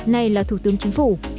nay là thủ tướng chính phủ